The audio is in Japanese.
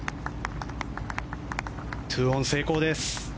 ２オン成功です。